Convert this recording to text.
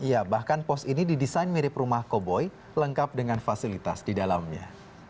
ya bahkan pos ini didesain mirip rumah koboi lengkap dengan fasilitas di dalamnya